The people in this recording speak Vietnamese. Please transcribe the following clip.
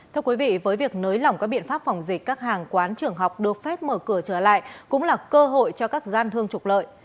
thưa quý vị với việc nới lỏng các biện pháp phòng dịch các hàng quán trường học được phép mở cửa trở lại cũng là cơ hội cho các gian thương trục lợi